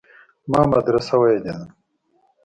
ما مدرسه ويلې ده.